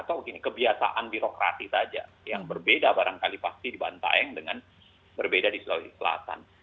atau begini kebiasaan birokrasi saja yang berbeda barangkali pasti di bantaeng dengan berbeda di sulawesi selatan